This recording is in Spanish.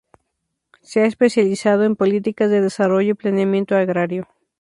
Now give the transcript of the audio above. Se ha especializado en políticas de desarrollo y planeamiento agrario.